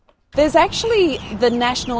ada strategi obesitas nasional